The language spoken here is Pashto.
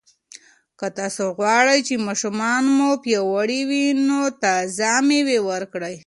که تاسو غواړئ چې ماشومان مو پیاوړي وي، نو تازه مېوه ورکړئ.